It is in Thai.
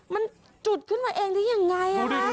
มันจุดขึ้นมาเองได้ยังไง